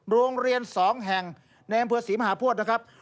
โรงเรียน๒แห่งในอำเภอศรีมหาโพธินะครับ